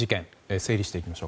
整理していきましょう。